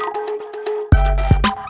kau mau kemana